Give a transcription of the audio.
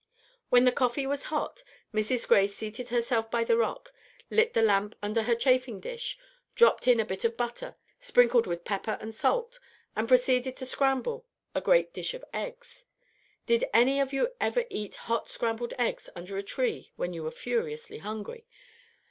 When the coffee was hot, Mrs. Gray seated herself by the rock, lit the lamp under her chafing dish, dropped in a bit of butter, sprinkled with pepper and salt, and proceeded to "scramble" a great dish of eggs. Did any of you ever eat hot scrambled eggs under a tree when you were furiously hungry?